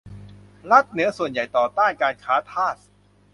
รัฐเหนือส่วนใหญ่ต่อต้านการค้าทาส